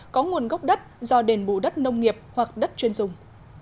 có nguồn gốc đất do đền bù đất nông nghiệp hoặc đất chuyên dùng